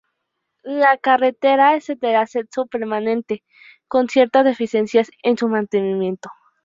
La carretera es de acceso permanente, con cierta deficiencia en su mantenimiento.